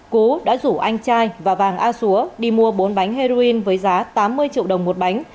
cú đã rủ anh trai và vàng a xúa đi mua bốn bánh heroin với giá tám mươi triệu đồng một bánh